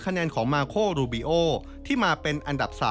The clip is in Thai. แนนของมาโครูบิโอที่มาเป็นอันดับ๓